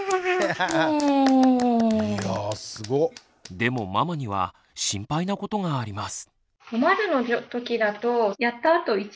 でもママには心配なことがあります。